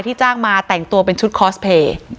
จ้างมาแต่งตัวเป็นชุดคอสเพลย์